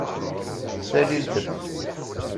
Salilt-t.